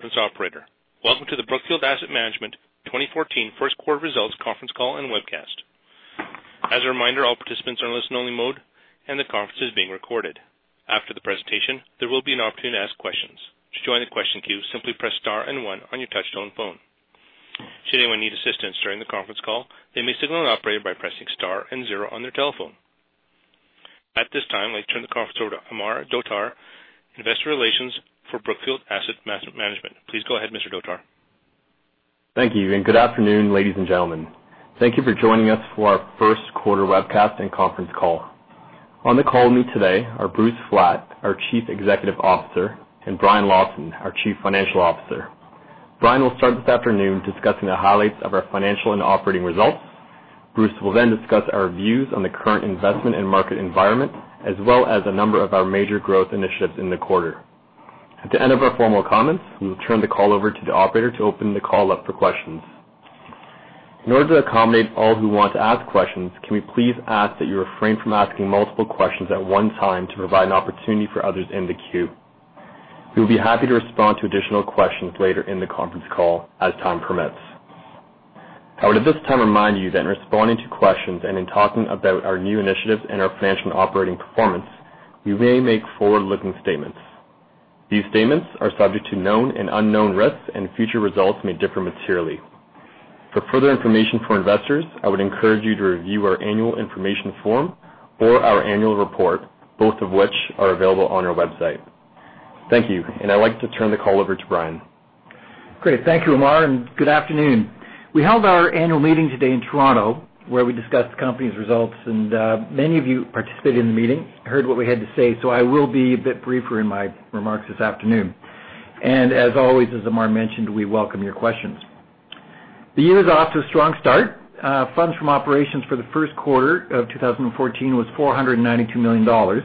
Thanks, operator. Welcome to the Brookfield Asset Management 2014 first quarter results conference call and webcast. As a reminder, all participants are in listen only mode. The conference is being recorded. After the presentation, there will be an opportunity to ask questions. To join the question queue, simply press star and one on your touchtone phone. Should anyone need assistance during the conference call, they may signal an operator by pressing star and zero on their telephone. At this time, I'd like to turn the conference over to Amar Dhotar, Investor Relations for Brookfield Asset Management. Please go ahead, Mr. Dhotar. Thank you. Good afternoon, ladies and gentlemen. Thank you for joining us for our first quarter webcast and conference call. On the call with me today are Bruce Flatt, our Chief Executive Officer, and Brian Lawson, our Chief Financial Officer. Brian will start this afternoon discussing the highlights of our financial and operating results. Bruce will discuss our views on the current investment and market environment, as well as a number of our major growth initiatives in the quarter. At the end of our formal comments, we will turn the call over to the operator to open the call up for questions. In order to accommodate all who want to ask questions, can we please ask that you refrain from asking multiple questions at one time to provide an opportunity for others in the queue? We'll be happy to respond to additional questions later in the conference call as time permits. I would at this time remind you that in responding to questions and in talking about our new initiatives and our financial and operating performance, we may make forward-looking statements. These statements are subject to known and unknown risks. Future results may differ materially. For further information for investors, I would encourage you to review our annual information form or our annual report, both of which are available on our website. Thank you. I'd like to turn the call over to Brian. Great. Thank you, Amar. Good afternoon. We held our annual meeting today in Toronto, where we discussed the company's results. Many of you participated in the meeting, heard what we had to say. I will be a bit briefer in my remarks this afternoon. As always, as Amar mentioned, we welcome your questions. The year is off to a strong start. Funds from operations for the first quarter of 2014 was $492 million.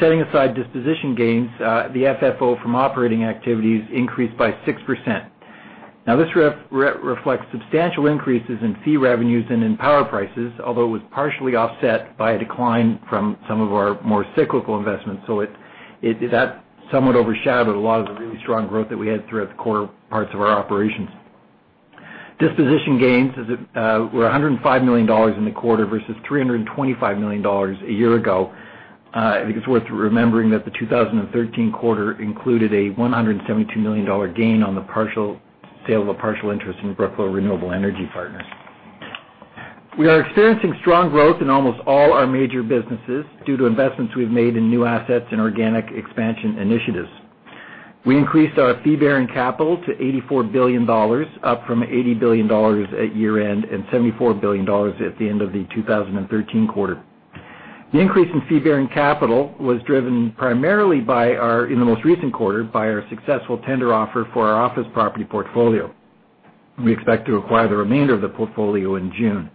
Setting aside disposition gains, the FFO from operating activities increased by 6%. This reflects substantial increases in fee revenues and in power prices, although it was partially offset by a decline from some of our more cyclical investments. That somewhat overshadowed a lot of the really strong growth that we had throughout the core parts of our operations. Disposition gains were $105 million in the quarter versus $325 million a year ago. I think it's worth remembering that the 2013 quarter included a $172 million gain on the sale of a partial interest in Brookfield Renewable Energy Partners. We are experiencing strong growth in almost all our major businesses due to investments we've made in new assets and organic expansion initiatives. We increased our fee-bearing capital to $84 billion, up from $80 billion at year-end and $74 billion at the end of the 2013 quarter. The increase in fee-bearing capital was driven primarily, in the most recent quarter, by our successful tender offer for our office property portfolio. We expect to acquire the remainder of the portfolio in June.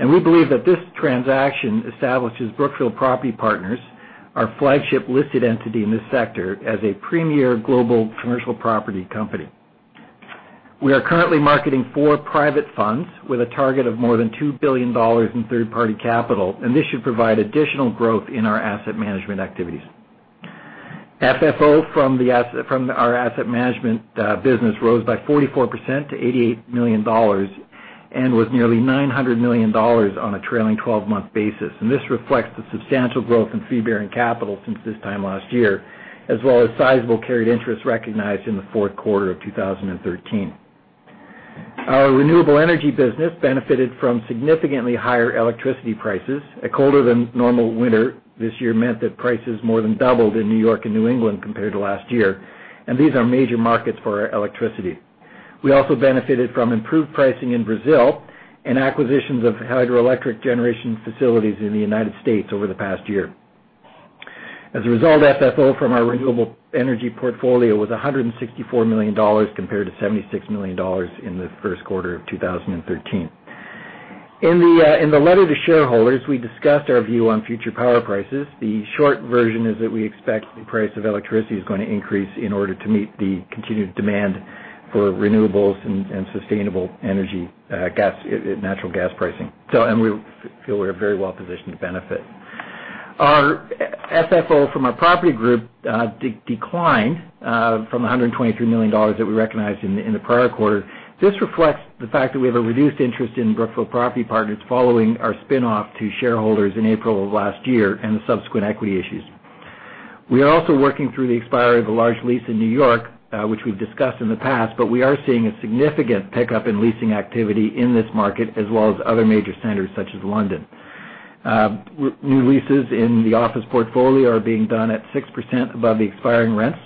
We believe that this transaction establishes Brookfield Property Partners, our flagship listed entity in this sector, as a premier global commercial property company. We are currently marketing four private funds with a target of more than $2 billion in third-party capital, this should provide additional growth in our asset management activities. FFO from our asset management business rose by 44% to $88 million and was nearly $900 million on a trailing 12-month basis. This reflects the substantial growth in fee-bearing capital since this time last year, as well as sizable carried interest recognized in the fourth quarter of 2013. Our renewable energy business benefited from significantly higher electricity prices. A colder than normal winter this year meant that prices more than doubled in New York and New England compared to last year. These are major markets for our electricity. We also benefited from improved pricing in Brazil and acquisitions of hydroelectric generation facilities in the United States over the past year. As a result, FFO from our renewable energy portfolio was $164 million compared to $76 million in the first quarter of 2013. In the letter to shareholders, we discussed our view on future power prices. The short version is that we expect the price of electricity is going to increase in order to meet the continued demand for renewables and sustainable energy natural gas pricing. We feel we're very well positioned to benefit. Our FFO from our property group declined from $123 million that we recognized in the prior quarter. This reflects the fact that we have a reduced interest in Brookfield Property Partners following our spinoff to shareholders in April of last year and the subsequent equity issues. We are also working through the expiry of a large lease in New York, which we've discussed in the past, but we are seeing a significant pickup in leasing activity in this market as well as other major centers such as London. New leases in the office portfolio are being done at 6% above the expiring rents.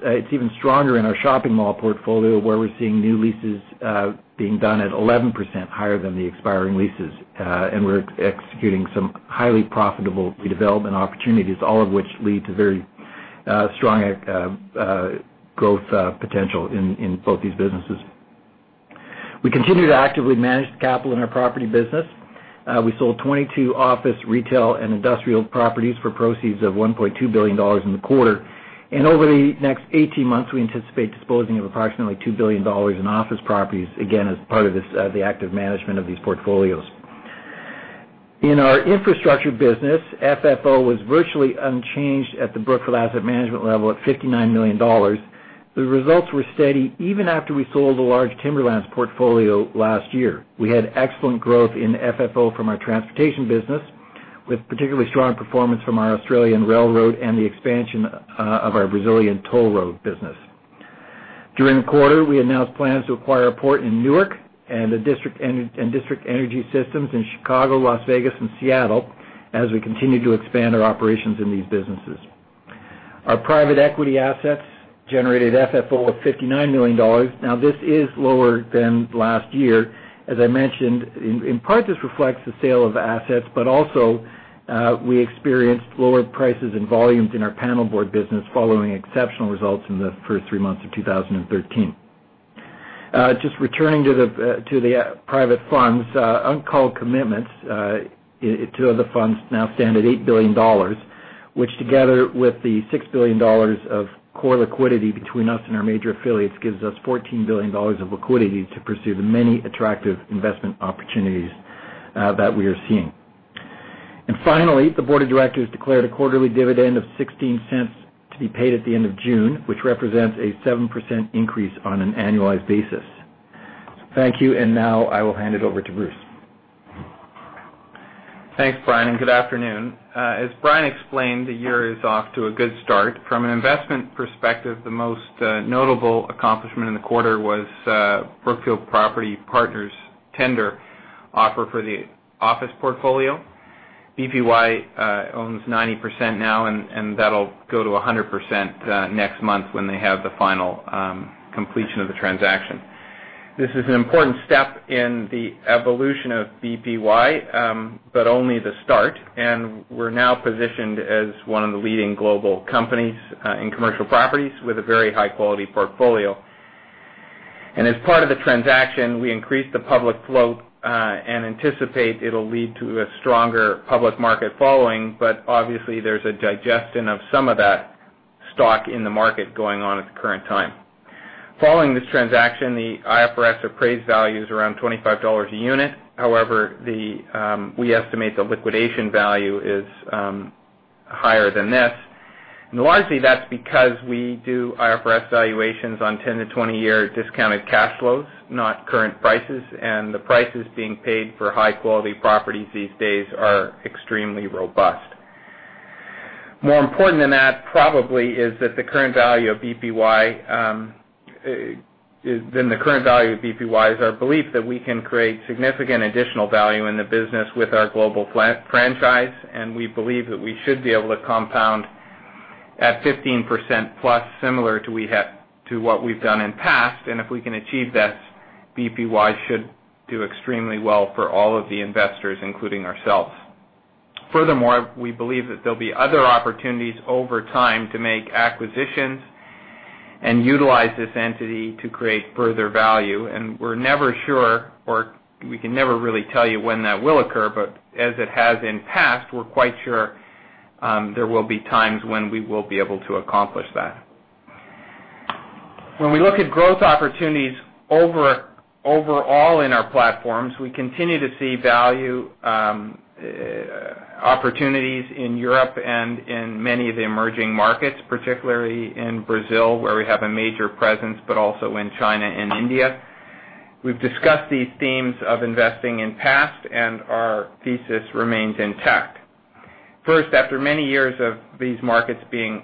It's even stronger in our shopping mall portfolio, where we're seeing new leases being done at 11% higher than the expiring leases. We're executing some highly profitable redevelopment opportunities, all of which lead to very strong growth potential in both these businesses. We continue to actively manage the capital in our property business. We sold 22 office, retail, and industrial properties for proceeds of $1.2 billion in the quarter. Over the next 18 months, we anticipate disposing of approximately $2 billion in office properties, again, as part of the active management of these portfolios. In our infrastructure business, FFO was virtually unchanged at the Brookfield Asset Management level at $59 million. The results were steady even after we sold a large timberlands portfolio last year. We had excellent growth in FFO from our transportation business, with particularly strong performance from our Australian railroad and the expansion of our Brazilian toll road business. During the quarter, we announced plans to acquire a port in Newark and District Energy Systems in Chicago, Las Vegas, and Seattle as we continue to expand our operations in these businesses. Our private equity assets generated FFO of $59 million. This is lower than last year. As I mentioned, in part, this reflects the sale of assets, but also we experienced lower prices and volumes in our panelboard business following exceptional results in the first three months of 2013. Just returning to the private funds, uncalled commitments to other funds now stand at $8 billion, which together with the $6 billion of core liquidity between us and our major affiliates, gives us $14 billion of liquidity to pursue the many attractive investment opportunities that we are seeing. Finally, the board of directors declared a quarterly dividend of $0.16 to be paid at the end of June, which represents a 7% increase on an annualized basis. Thank you. Now I will hand it over to Bruce. Thanks, Brian. Good afternoon. As Brian explained, the year is off to a good start. From an investment perspective, the most notable accomplishment in the quarter was Brookfield Property Partners' tender offer for the office portfolio. BPY owns 90% now, and that'll go to 100% next month when they have the final completion of the transaction. This is an important step in the evolution of BPY, but only the start. We're now positioned as one of the leading global companies in commercial properties with a very high-quality portfolio. As part of the transaction, we increased the public float and anticipate it'll lead to a stronger public market following, but obviously there's a digestion of some of that stock in the market going on at the current time. Following this transaction, the IFRS appraised value is around $25 a unit. However, we estimate the liquidation value is higher than this. Largely that's because we do IFRS valuations on 10 to 20-year discounted cash flows, not current prices, and the prices being paid for high-quality properties these days are extremely robust. More important than that probably, is that the current value of BPY is our belief that we can create significant additional value in the business with our global franchise, and we believe that we should be able to compound at 15% plus similar to what we've done in the past. If we can achieve this, BPY should do extremely well for all of the investors, including ourselves. Furthermore, we believe that there'll be other opportunities over time to make acquisitions and utilize this entity to create further value. We're never sure, or we can never really tell you when that will occur, but as it has in the past, we're quite sure there will be times when we will be able to accomplish that. When we look at growth opportunities overall in our platforms, we continue to see value opportunities in Europe and in many of the emerging markets, particularly in Brazil, where we have a major presence, but also in China and India. We've discussed these themes of investing in the past, and our thesis remains intact. First, after many years of these markets being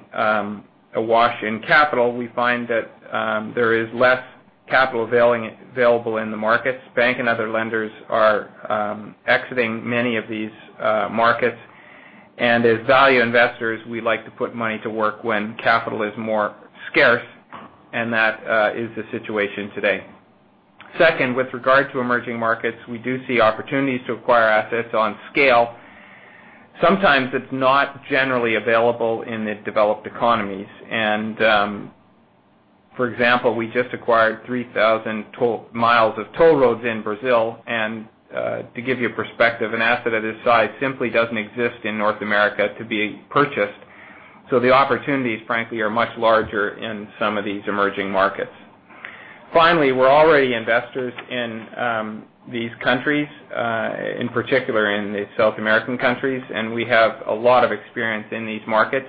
awash in capital, we find that there is less capital available in the markets. Bank and other lenders are exiting many of these markets. As value investors, we like to put money to work when capital is more scarce, and that is the situation today. Second, with regard to emerging markets, we do see opportunities to acquire assets on scale. Sometimes it's not generally available in the developed economies. For example, we just acquired 3,000 miles of toll roads in Brazil, and to give you a perspective, an asset of this size simply doesn't exist in North America to be purchased. The opportunities, frankly, are much larger in some of these emerging markets. Finally, we're already investors in these countries, in particular in the South American countries, and we have a lot of experience in these markets.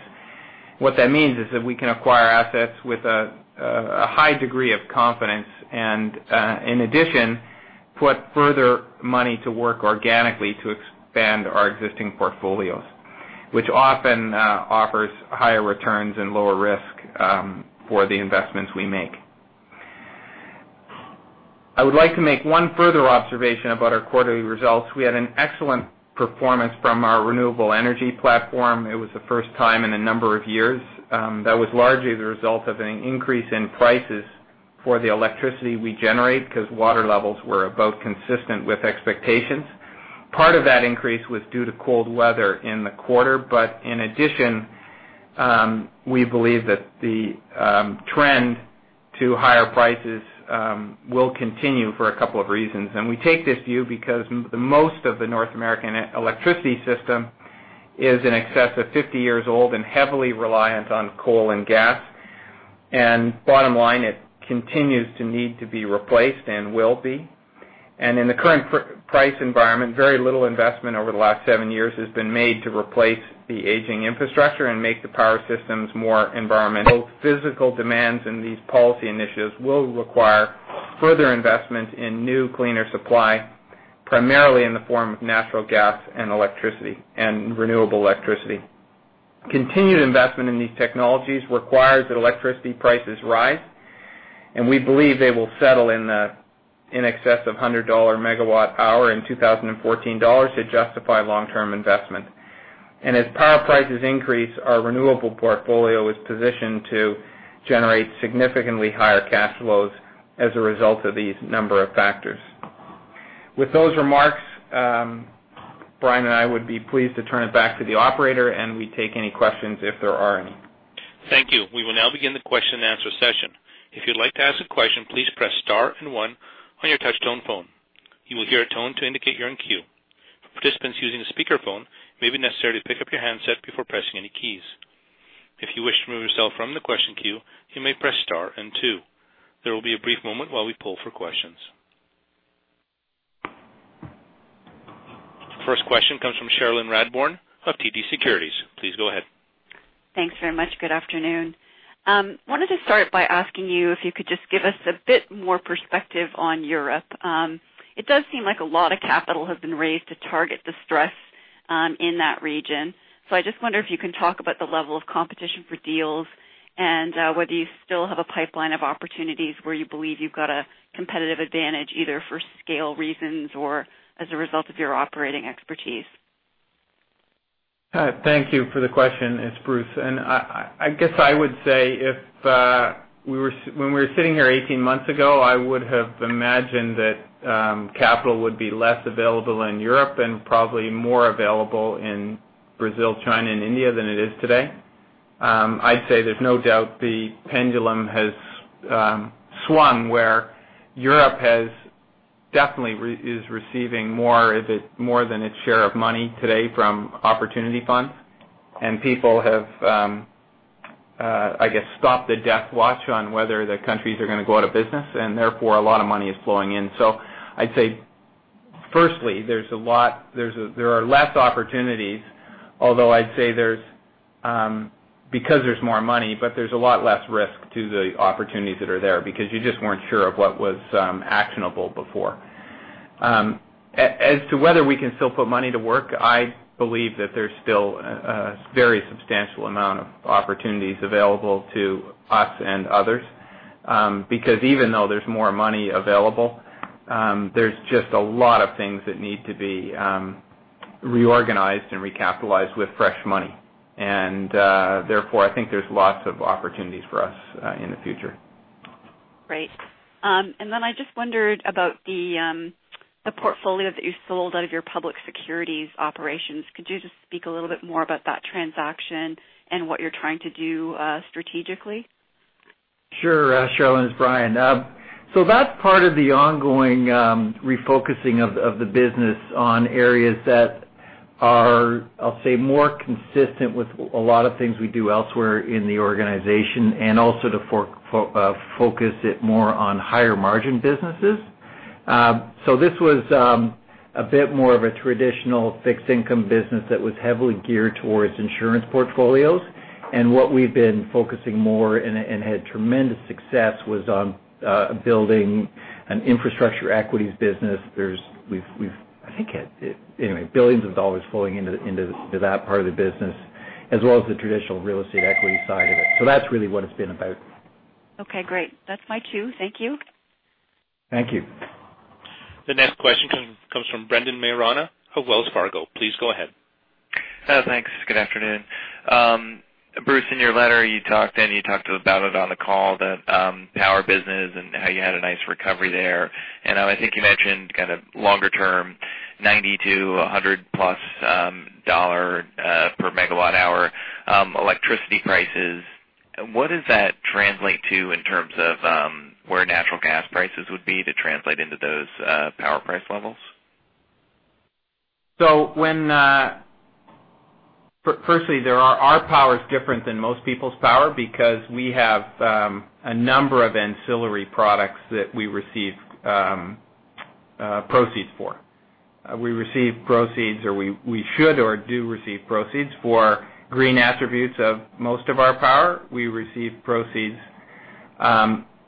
What that means is that we can acquire assets with a high degree of confidence and, in addition, put further money to work organically to expand our existing portfolios, which often offers higher returns and lower risk for the investments we make. I would like to make one further observation about our quarterly results. We had an excellent performance from our renewable energy platform. It was the first time in a number of years. That was largely the result of an increase in prices for the electricity we generate because water levels were about consistent with expectations. Part of that increase was due to cold weather in the quarter. In addition, we believe that the trend to higher prices will continue for a couple of reasons. We take this view because most of the North American electricity system is in excess of 50 years old and heavily reliant on coal and gas. Bottom line, it continues to need to be replaced and will be. In the current price environment, very little investment over the last seven years has been made to replace the aging infrastructure and make the power systems more environmental. Physical demands and these policy initiatives will require further investment in new cleaner supply, primarily in the form of natural gas and renewable electricity. Continued investment in these technologies requires that electricity prices rise, and we believe they will settle in excess of $100 megawatt hour in 2014 dollars to justify long-term investment. As power prices increase, our renewable portfolio is positioned to generate significantly higher cash flows as a result of these number of factors. With those remarks, Brian and I would be pleased to turn it back to the operator, and we'd take any questions if there are any. Thank you. We will now begin the question and answer session. If you'd like to ask a question, please press star and one on your touchtone phone. You will hear a tone to indicate you're in queue. For participants using a speakerphone, it may be necessary to pick up your handset before pressing any keys. If you wish to remove yourself from the question queue, you may press star and two. There will be a brief moment while we poll for questions. First question comes from Cherilyn Radbourne of TD Securities. Please go ahead. Thanks very much. Good afternoon. Wanted to start by asking you if you could just give us a bit more perspective on Europe. It does seem like a lot of capital has been raised to target the stress in that region. I just wonder if you can talk about the level of competition for deals and whether you still have a pipeline of opportunities where you believe you've got a competitive advantage, either for scale reasons or as a result of your operating expertise. Thank you for the question. It's Bruce, I guess I would say if when we were sitting here 18 months ago, I would have imagined that capital would be less available in Europe and probably more available in Brazil, China, and India than it is today. I'd say there's no doubt the pendulum has swung where Europe definitely is receiving more than its share of money today from opportunity funds. People have, I guess, stopped the death watch on whether the countries are going to go out of business, therefore, a lot of money is flowing in. I'd say firstly, there are less opportunities, although I'd say because there's more money. There's a lot less risk to the opportunities that are there because you just weren't sure of what was actionable before. As to whether we can still put money to work, I believe that there's still a very substantial amount of opportunities available to us and others. Even though there's more money available, there's just a lot of things that need to be reorganized and recapitalized with fresh money. Therefore, I think there's lots of opportunities for us in the future. Great. I just wondered about the portfolio that you sold out of your public securities operations. Could you just speak a little bit more about that transaction and what you're trying to do strategically? Sure. Cherilyn, it's Brian. That's part of the ongoing refocusing of the business on areas that are, I'll say, more consistent with a lot of things we do elsewhere in the organization, and also to focus it more on higher margin businesses. This was a bit more of a traditional fixed income business that was heavily geared towards insurance portfolios. What we've been focusing more, and had tremendous success, was on building an infrastructure equities business. We've, I think, billions of dollars flowing into that part of the business, as well as the traditional real estate equity side of it. That's really what it's been about. Okay, great. That's my cue. Thank you. Thank you. The next question comes from Brendan Maiorana of Wells Fargo. Please go ahead. Thanks. Good afternoon. Bruce, in your letter you talked, and you talked about it on the call, the power business and how you had a nice recovery there. I think you mentioned kind of longer term, $90-$100-plus per megawatt hour electricity prices. What does that translate to in terms of where natural gas prices would be to translate into those power price levels? Firstly, our power is different than most people's power because we have a number of ancillary products that we receive proceeds for. We receive proceeds, or we should or do receive proceeds for green attributes of most of our power. We receive proceeds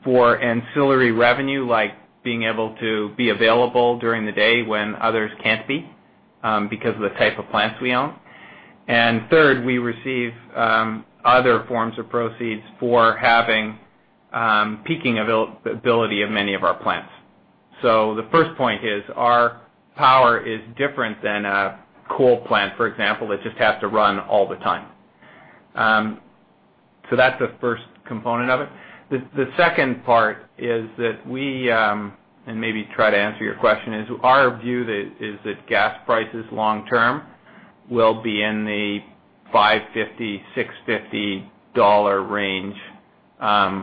for ancillary revenue, like being able to be available during the day when others can't be because of the type of plants we own. Third, we receive other forms of proceeds for having peaking ability of many of our plants. The first point is our power is different than a coal plant, for example, that just has to run all the time. That's the first component of it. The second part is that we, and maybe try to answer your question, is our view that gas prices long term will be in the $5.50, $6.50 range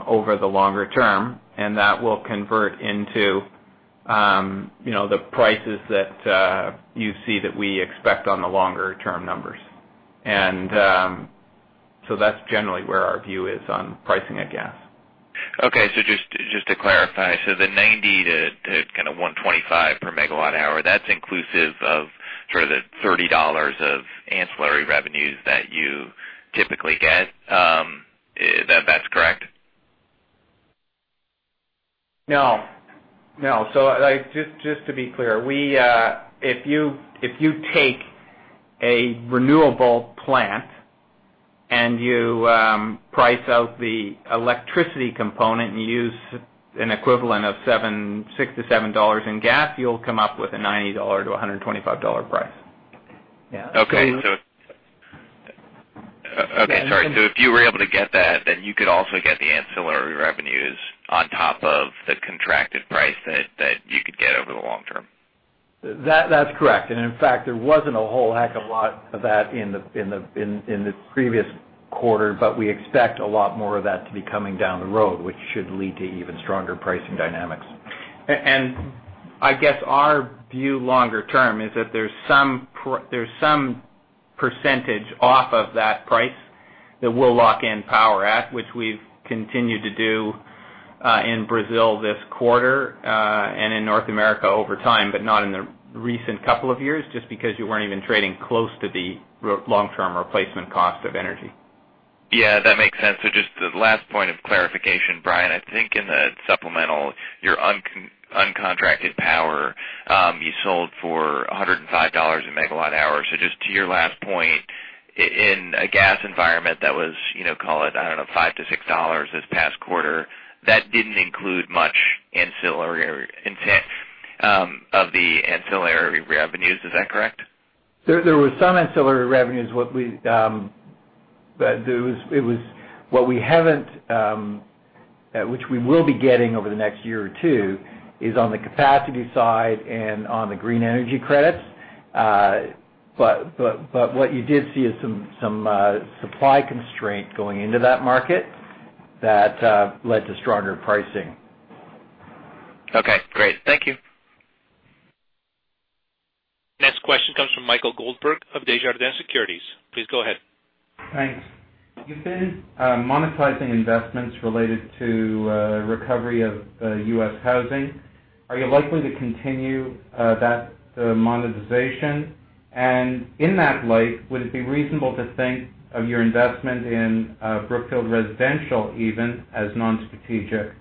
over the longer term, that will convert into the prices that you see that we expect on the longer-term numbers. That's generally where our view is on pricing of gas. Okay. Just to clarify, the $90 to $125 per megawatt hour, that's inclusive of sort of the $30 of ancillary revenues that you typically get. That's correct? No. Just to be clear, if you take a renewable plant and you price out the electricity component, and you use an equivalent of $6 to $7 in gas, you'll come up with a $90 to $125 price. Yeah. Okay. Sorry. If you were able to get that, you could also get the ancillary revenues on top of the contracted price that you could get over the long term. That's correct. In fact, there wasn't a whole heck of a lot of that in the previous quarter, we expect a lot more of that to be coming down the road, which should lead to even stronger pricing dynamics. I guess our view longer term is that there's some percentage off of that price that we'll lock in power at, which we've continued to do, in Brazil this quarter, and in North America over time, but not in the recent couple of years, just because you weren't even trading close to the long-term replacement cost of energy. That makes sense. Just the last point of clarification, Brian, I think in the supplemental, your uncontracted power, you sold for $105 a megawatt hour. Just to your last point, in a gas environment that was, call it, $5 to $6 this past quarter, that didn't include much of the ancillary revenues. Is that correct? There was some ancillary revenues. What we haven't, which we will be getting over the next year or two, is on the capacity side and on the green energy credits. What you did see is some supply constraint going into that market that led to stronger pricing. Great. Thank you. Next question comes from Michael Goldberg of Desjardins Securities. Please go ahead. Thanks. You've been monetizing investments related to recovery of U.S. housing. Are you likely to continue that monetization? In that light, would it be reasonable to think of your investment in Brookfield Residential even as non-strategic?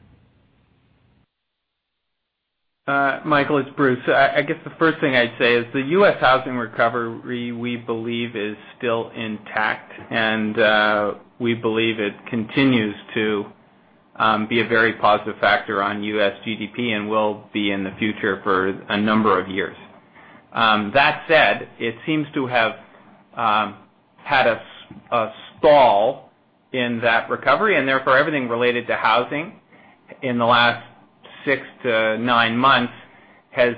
Michael, it's Bruce. I guess the first thing I'd say is the U.S. housing recovery, we believe is still intact, we believe it continues to be a very positive factor on U.S. GDP and will be in the future for a number of years. That said, it seems to have had a stall in that recovery, therefore everything related to housing in the last six to nine months is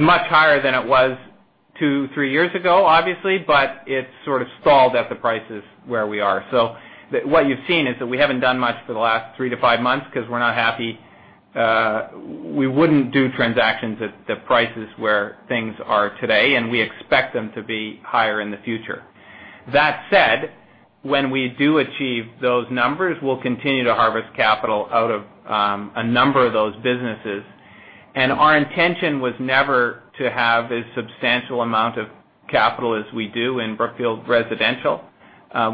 much higher than it was two, three years ago, obviously, it sort of stalled at the prices where we are. What you've seen is that we haven't done much for the last three to five months because we're not happy. We wouldn't do transactions at the prices where things are today, we expect them to be higher in the future. That said, when we do achieve those numbers, we'll continue to harvest capital out of a number of those businesses. Our intention was never to have as substantial amount of capital as we do in Brookfield Residential.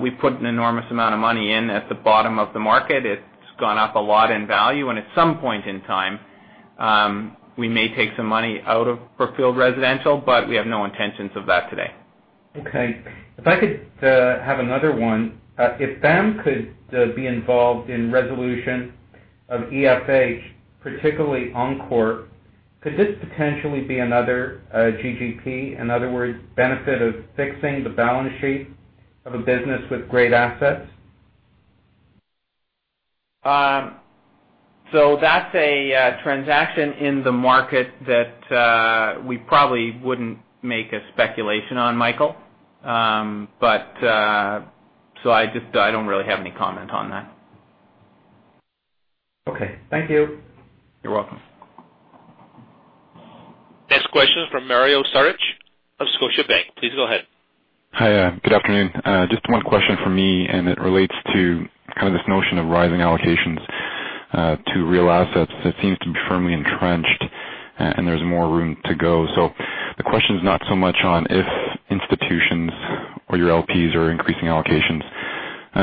We put an enormous amount of money in at the bottom of the market. It's gone up a lot in value, at some point in time, we may take some money out of Brookfield Residential, but we have no intentions of that today. Okay. If I could have another one. If BAM could be involved in resolution of EFH, particularly Oncor, could this potentially be another GGP? In other words, benefit of fixing the balance sheet of a business with great assets? That's a transaction in the market that we probably wouldn't make a speculation on, Michael. I don't really have any comment on that. Okay. Thank you. You're welcome. Next question is from Mario Saric of Scotiabank. Please go ahead. Hi. Good afternoon. Just one question from me, and it relates to kind of this notion of rising allocations to real assets that seems to be firmly entrenched, and there's more room to go. The question's not so much on if institutions or your LPs are increasing allocations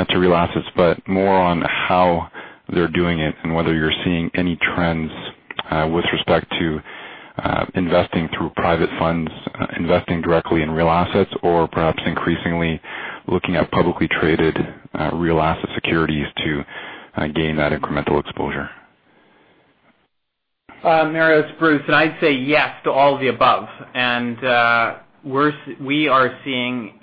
to real assets, but more on how they're doing it and whether you're seeing any trends with respect to investing through private funds, investing directly in real assets, or perhaps increasingly looking at publicly traded real asset securities to gain that incremental exposure. Mario, it's Bruce. I'd say yes to all of the above. We are seeing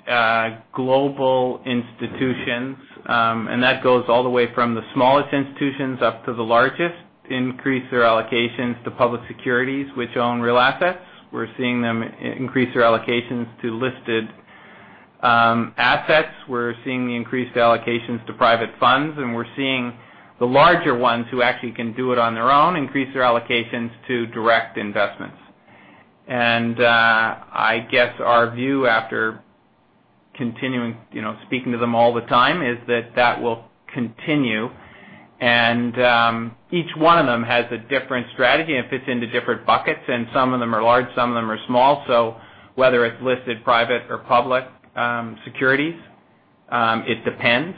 global institutions. That goes all the way from the smallest institutions up to the largest, increase their allocations to public securities, which own real assets. We're seeing them increase their allocations to listed Assets, we're seeing the increased allocations to private funds, and we're seeing the larger ones who actually can do it on their own increase their allocations to direct investments. I guess our view, after continuing speaking to them all the time, is that that will continue. Each one of them has a different strategy and fits into different buckets, and some of them are large, some of them are small. Whether it's listed private or public securities, it depends.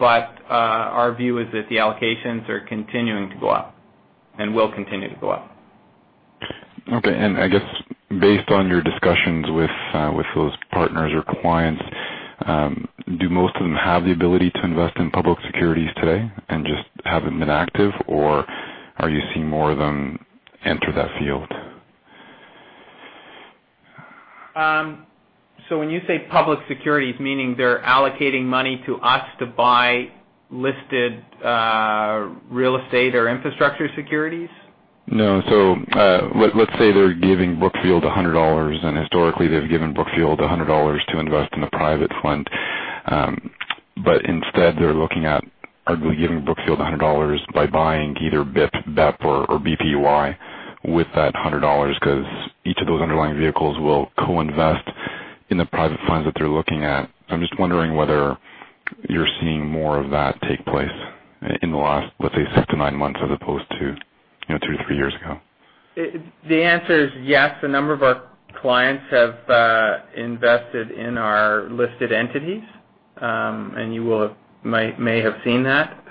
Our view is that the allocations are continuing to go up and will continue to go up. Okay. Based on your discussions with those partners or clients, do most of them have the ability to invest in public securities today and just haven't been active, or are you seeing more of them enter that field? When you say public securities, meaning they're allocating money to us to buy listed real estate or infrastructure securities? No. Let's say they're giving Brookfield $100, historically, they've given Brookfield $100 to invest in a private fund. Instead, they're looking at arguably giving Brookfield the $100 by buying either BIP, BEP, or BPY with that $100 because each of those underlying vehicles will co-invest in the private funds that they're looking at. I'm just wondering whether you're seeing more of that take place in the last, let's say, six to nine months, as opposed to two to three years ago. The answer is yes. A number of our clients have invested in our listed entities. You may have seen that.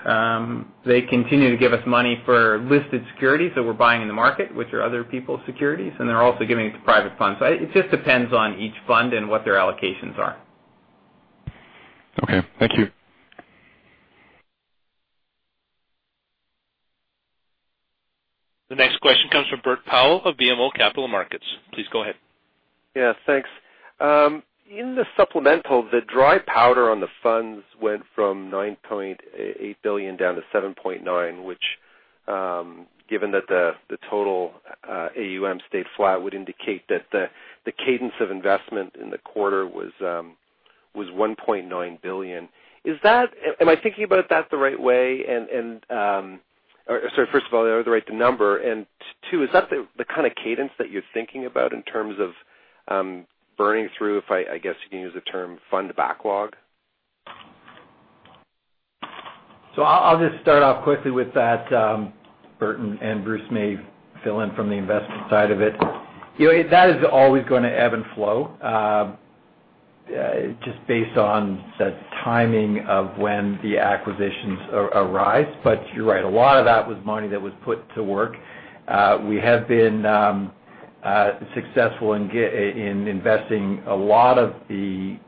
They continue to give us money for listed securities that we're buying in the market, which are other people's securities, and they're also giving it to private funds. It just depends on each fund and what their allocations are. Okay. Thank you. The next question comes from Bert Powell of BMO Capital Markets. Please go ahead. Yeah. Thanks. In the supplemental, the dry powder on the funds went from $9.8 billion down to $7.9 billion, which, given that the total AUM stayed flat, would indicate that the cadence of investment in the quarter was $1.9 billion. Am I thinking about that the right way sorry. First of all, the right number, and two, is that the kind of cadence that you're thinking about in terms of burning through, if I guess you can use the term fund backlog? I'll just start off quickly with that, Bert, and Bruce may fill in from the investment side of it. That is always going to ebb and flow, just based on the timing of when the acquisitions arise. You're right. A lot of that was money that was put to work. We have been successful in investing a lot of the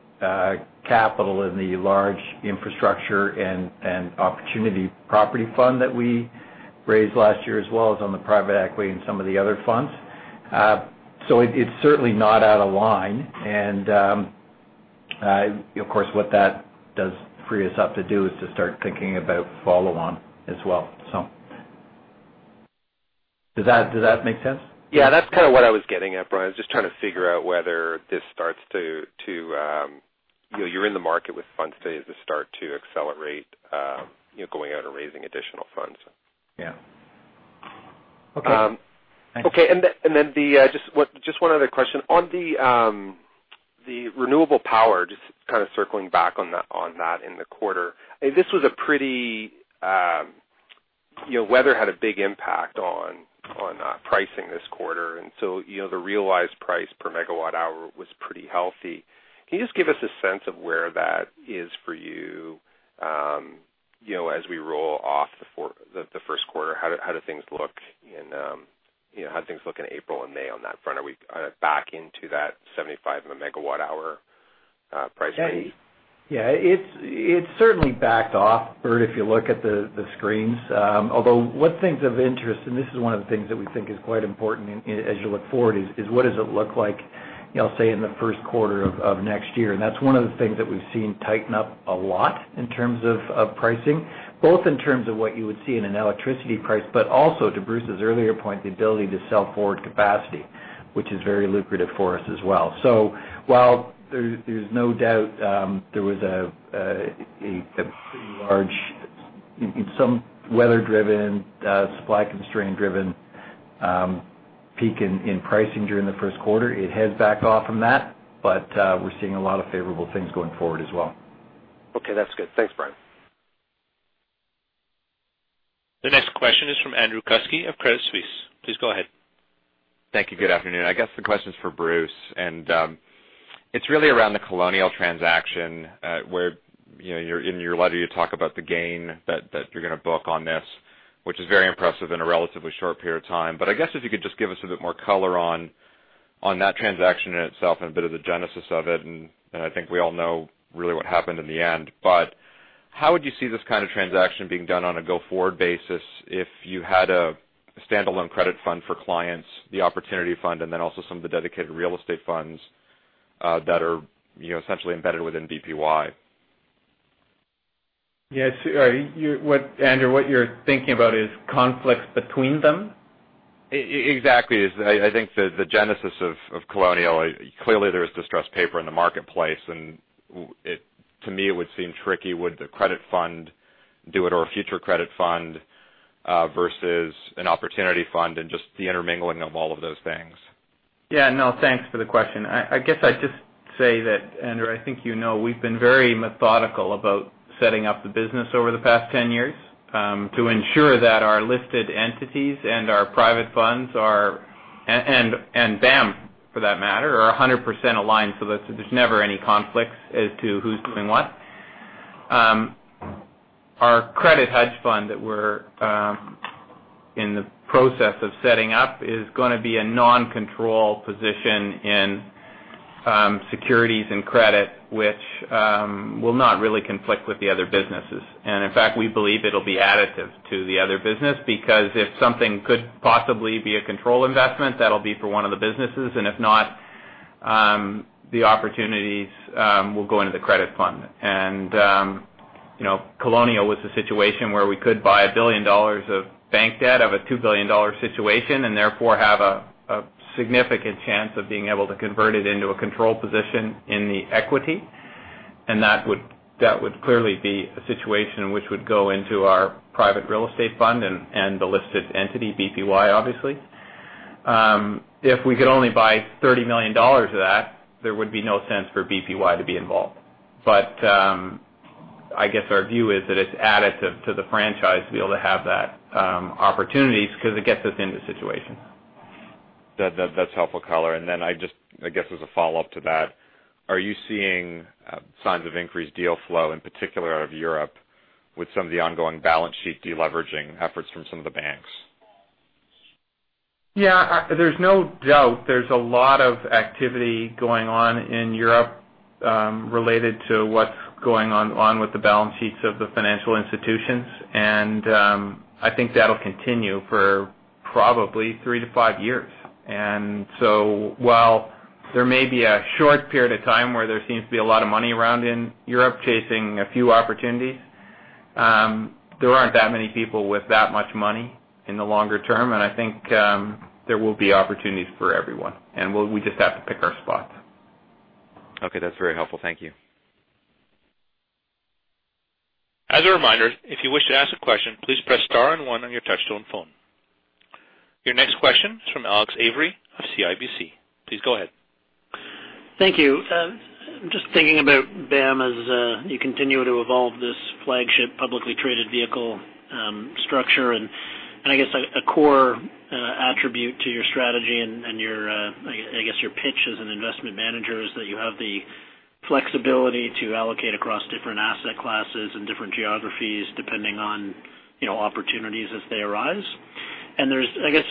capital in the large infrastructure and opportunity property fund that we raised last year as well as on the private equity and some of the other funds. It's certainly not out of line. Of course, what that does free us up to do is to start thinking about follow-on as well. Does that make sense? That's kind of what I was getting at, Brian. I was just trying to figure out whether this starts to You're in the market with funds today. Does this start to accelerate going out and raising additional funds? Yeah. Then just one other question. On the renewable power, just kind of circling back on that in the quarter. Weather had a big impact on pricing this quarter, so the realized price per megawatt hour was pretty healthy. Can you just give us a sense of where that is for you as we roll off the first quarter? How do things look in April and May on that front? Are we back into that $75 in the megawatt hour price range? It's certainly backed off, Bert, if you look at the screens. Although one thing's of interest, and this is one of the things that we think is quite important as you look forward, is what does it look like, say, in the first quarter of next year? That's one of the things that we've seen tighten up a lot in terms of pricing, both in terms of what you would see in an electricity price, but also to Bruce's earlier point, the ability to sell forward capacity, which is very lucrative for us as well. While there's no doubt there was a pretty large, in some weather-driven, supply constraint-driven peak in pricing during the first quarter. It has backed off from that, we're seeing a lot of favorable things going forward as well. That's good. Thanks, Brian. The next question is from Andrew Kuske of Credit Suisse. Please go ahead. Thank you. Good afternoon. I guess the question's for Bruce, and it's really around the Colonial transaction where in your letter you talk about the gain that you're going to book on this, which is very impressive in a relatively short period of time. I guess if you could just give us a bit more color on that transaction in itself and a bit of the genesis of it. I think we all know really what happened in the end. How would you see this kind of transaction being done on a go-forward basis if you had a standalone credit fund for clients, the opportunity fund, and then also some of the dedicated real estate funds that are essentially embedded within BPY? Yes. Andrew, what you're thinking about is conflicts between them? Exactly. I think the genesis of Colonial, clearly there is distressed paper in the marketplace, to me, it would seem tricky, would the credit fund do it or a future credit fund, versus an opportunity fund and just the intermingling of all of those things. Yeah, no, thanks for the question. I guess I'd just say that, Andrew, I think you know we've been very methodical about setting up the business over the past 10 years, to ensure that our listed entities and our private funds are, and BAM, for that matter, are 100% aligned so that there's never any conflicts as to who's doing what. Our credit hedge fund that we're in the process of setting up is going to be a non-control position in securities and credit, which will not really conflict with the other businesses. In fact, we believe it'll be additive to the other business, because if something could possibly be a control investment, that'll be for one of the businesses, and if not, the opportunities will go into the credit fund. Colonial was a situation where we could buy $1 billion of bank debt of a $2 billion situation, and therefore have a significant chance of being able to convert it into a control position in the equity. That would clearly be a situation which would go into our private real estate fund and the listed entity, BPY, obviously. If we could only buy $30 million of that, there would be no sense for BPY to be involved. I guess our view is that it's additive to the franchise to be able to have that opportunity, because it gets us into situations. That's helpful color. Then I guess as a follow-up to that, are you seeing signs of increased deal flow, in particular out of Europe with some of the ongoing balance sheet de-leveraging efforts from some of the banks? Yeah. There's no doubt there's a lot of activity going on in Europe, related to what's going on with the balance sheets of the financial institutions. I think that'll continue for probably three to five years. While there may be a short period of time where there seems to be a lot of money around in Europe chasing a few opportunities, there aren't that many people with that much money in the longer term. I think there will be opportunities for everyone. We just have to pick our spots. Okay. That's very helpful. Thank you. As a reminder, if you wish to ask a question, please press star and one on your touchtone phone. Your next question is from Alex Avery of CIBC. Please go ahead. Thank you. Just thinking about BAM as you continue to evolve this flagship publicly traded vehicle structure and I guess a core attribute to your strategy and I guess your pitch as an investment manager is that you have the flexibility to allocate across different asset classes and different geographies depending on opportunities as they arise. There's, I guess,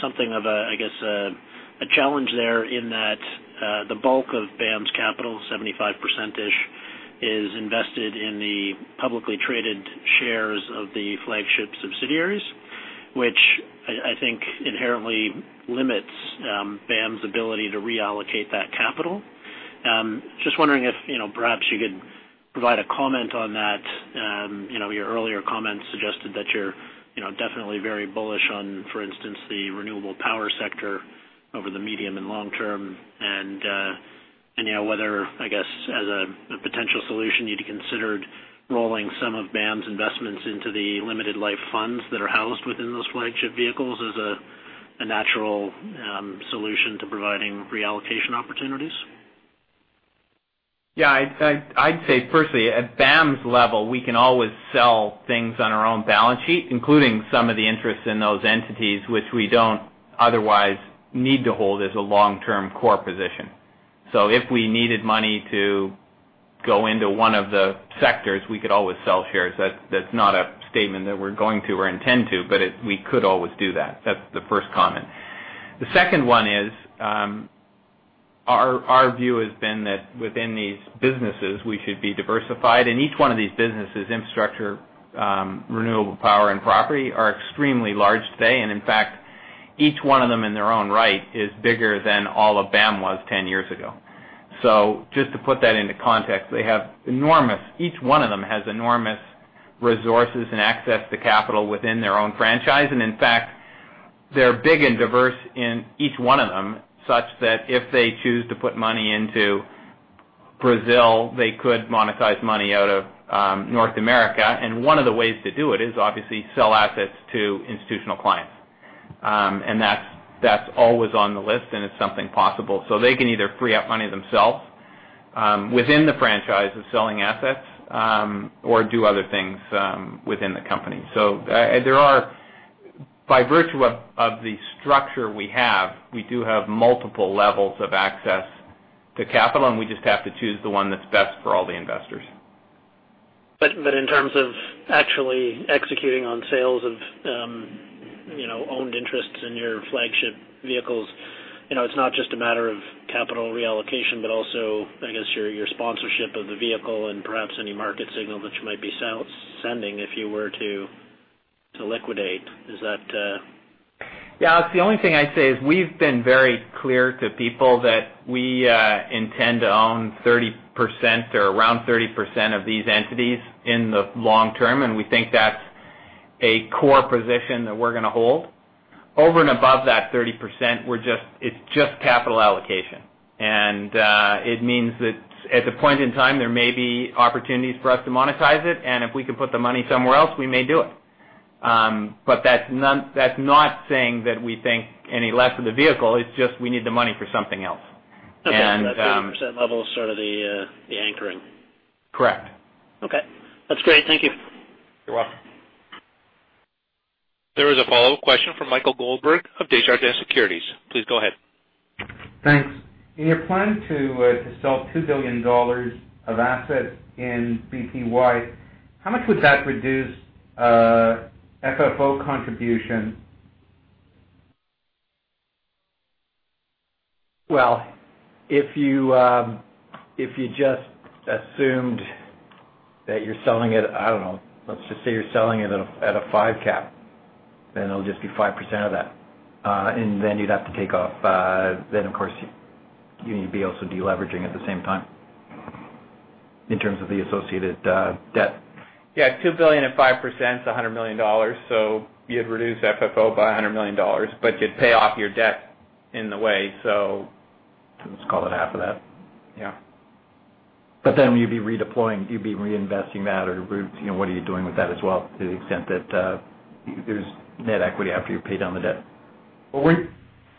something of a challenge there in that the bulk of BAM's capital, 75%-ish, is invested in the publicly traded shares of the flagship subsidiaries, which I think inherently limits BAM's ability to reallocate that capital. Just wondering if perhaps you could provide a comment on that. Your earlier comments suggested that you're definitely very bullish on, for instance, the renewable power sector over the medium and long term. Whether, I guess as a potential solution, you'd considered rolling some of BAM's investments into the limited life funds that are housed within those flagship vehicles as a natural solution to providing reallocation opportunities. I'd say firstly, at BAM's level, we can always sell things on our own balance sheet, including some of the interests in those entities which we don't otherwise need to hold as a long-term core position. If we needed money to go into one of the sectors, we could always sell shares. That's not a statement that we're going to or intend to, but we could always do that. That's the first comment. The second one is, our view has been that within these businesses, we should be diversified. Each one of these businesses, infrastructure, renewable power and property, are extremely large today. In fact, each one of them in their own right is bigger than all of BAM was 10 years ago. Just to put that into context, each one of them has enormous resources and access to capital within their own franchise. In fact, they're big and diverse in each one of them, such that if they choose to put money into Brazil, they could monetize money out of North America. One of the ways to do it is obviously sell assets to institutional clients. That's always on the list and it's something possible. They can either free up money themselves within the franchise of selling assets, or do other things within the company. By virtue of the structure we have, we do have multiple levels of access to capital, and we just have to choose the one that's best for all the investors. In terms of actually executing on sales of owned interests in your flagship vehicles, it's not just a matter of capital reallocation, but also I guess your sponsorship of the vehicle and perhaps any market signal that you might be sending if you were to liquidate. Alex, the only thing I'd say is we've been very clear to people that we intend to own 30% or around 30% of these entities in the long term, and we think that's a core position that we're going to hold. Over and above that 30%, it's just capital allocation. It means that at the point in time, there may be opportunities for us to monetize it, and if we can put the money somewhere else, we may do it. That's not saying that we think any less of the vehicle, it's just we need the money for something else. Okay. That 30% level is sort of the anchoring. Correct. Okay. That's great. Thank you. You're welcome. There is a follow-up question from Michael Goldberg of Desjardins Securities. Please go ahead. Thanks. In your plan to sell $2 billion of asset in BPY, how much would that reduce FFO contribution? Well, if you just assumed that you're selling it, I don't know, let's just say you're selling it at a five cap, then it'll just be 5% of that. Of course, you need to be also de-leveraging at the same time in terms of the associated debt. Yeah. $2 billion at 5% is $100 million. You'd reduce FFO by $100 million, you'd pay off your debt in the way. Let's call it half of that. Yeah. You'd be reinvesting that or what are you doing with that as well to the extent that there's net equity after you've paid down the debt?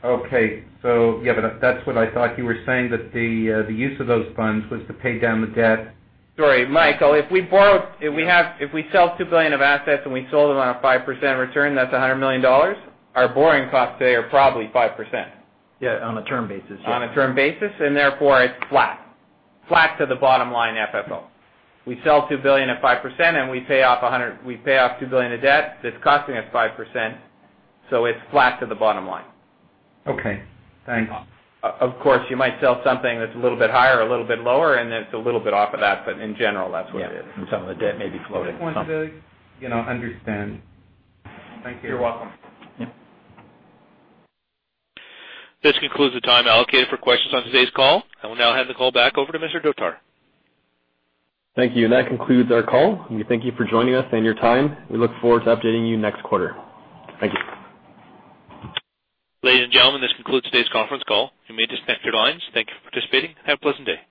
Okay. That's what I thought you were saying, that the use of those funds was to pay down the debt. Sorry, Michael. If we sell $2 billion of assets and we sold them on a 5% return, that's $100 million. Our borrowing costs today are probably 5%. Yeah, on a term basis. On a term basis. Therefore, it's flat. Flat to the bottom line FFO. We sell $2 billion at 5%, and we pay off $2 billion of debt that's costing us 5%. It's flat to the bottom line. Okay, thanks. Of course, you might sell something that's a little bit higher or a little bit lower. Then it's a little bit off of that. In general, that's what it is. Yeah. Some of the debt may be floating. Just wanted to understand. Thank you. You're welcome. Yeah. This concludes the time allocated for questions on today's call. I will now hand the call back over to Mr. Dhotar. Thank you. That concludes our call, and we thank you for joining us and your time. We look forward to updating you next quarter. Thank you. Ladies and gentlemen, this concludes today's conference call. You may disconnect your lines. Thank you for participating. Have a pleasant day.